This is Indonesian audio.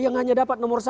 yang hanya dapat nomor satu